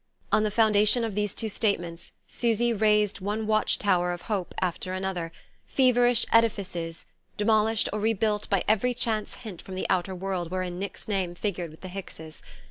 On the foundation of these two statements Susy raised one watch tower of hope after another, feverish edifices demolished or rebuilt by every chance hint from the outer world wherein Nick's name figured with the Hickses'.